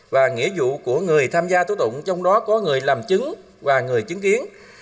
và nghĩa vụ của người tham gia tố tụng trong đó có người làm chứng và người chứng kiến